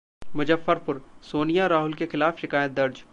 मुजफ्फरपुर: सोनिया, राहुल के खिलाफ शिकायत दर्ज